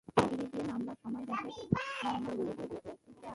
সিঁড়ি দিয়ে নামবার সময় দেখে শ্যামাসুন্দরী উপরে উঠে আসছে।